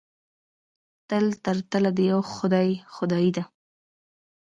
تل تر تله د یوه خدای خدایي ده.